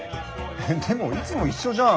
でもいつも一緒じゃん。